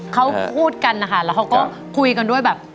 เขาพูดกันนะคะแล้วเขาก็คุยกันด้วยแบบ